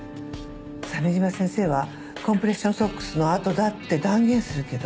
鮫島先生はコンプレッションソックスの痕だって断言するけど。